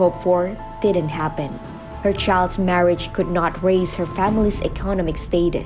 perkahwinan anaknya tidak bisa meningkatkan status ekonomi keluarga